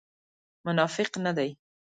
منافق نه دی.